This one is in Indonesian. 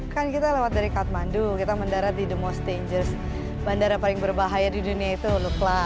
kan kita lewat dari kathmandu kita mendarat di the most dangers bandara paling berbahaya di dunia itu lukla